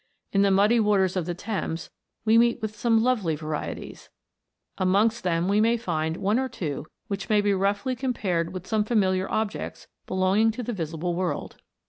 In the muddy waters of the Thames we meet with some lovely varieties. Amongst them we may find one or two which may be roughly compared with some * Doctor Harvey. THE INVISIBLE WORLD. 223 familiar objects belonging to the visible world.